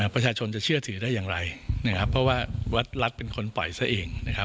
ประชาชนจะเชื่อถือได้อย่างไรนะครับเพราะว่ารัฐเป็นคนปล่อยซะเองนะครับ